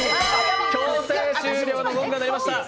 強制終了のゴングが鳴りました